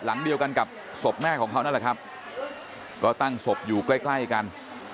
หลังเดียวกันกับศพแม่ของเขานั่นแหละครับก็ตั้งศพอยู่ใกล้ใกล้กัน